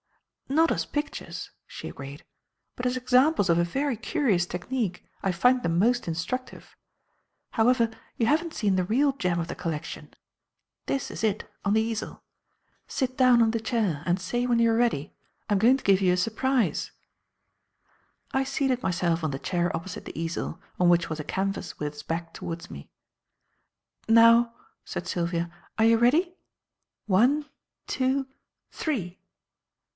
"Not as pictures," she agreed, "but as examples of a very curious technique, I find them most instructive. However, you haven't seen the real gem of the collection. This is it, on the easel. Sit down, on the chair and say when you are ready. I'm going to give you a surprise." I seated myself on the chair opposite the easel, on which was a canvas with its back towards me. "Now," said Sylvia. "Are you ready? One, two, three!"